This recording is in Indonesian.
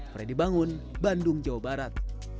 freddy bangun bandung jawa barat